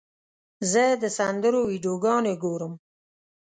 زه د سندرو ویډیوګانې ګورم.